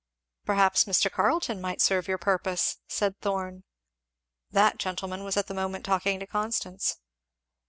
"Perhaps Mr. Carleton might serve your purpose," said Thorn. That gentleman was at the moment talking to Constance.